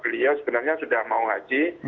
beliau sebenarnya sudah mau haji